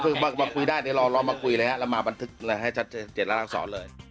คือมาคุยได้รอมาคุยเลยฮะแล้วมาบันทึกให้เจรจรักษาสอนเลย